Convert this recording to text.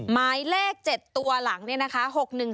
ไม้เลข๗ตัวหลังเนี่ยนะคะ๖๑๐๖๒๐๕